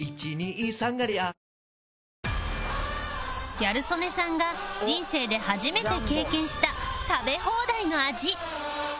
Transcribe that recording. ギャル曽根さんが人生で初めて経験した食べ放題の味